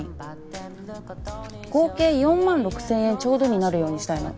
合計４万６０００円ちょうどになるようにしたいの。